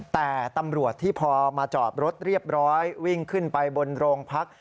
แต่ตำรวจที่พอมาจอดรถเรียบร้อยวิ่งขึ้นไปบนโรงพัก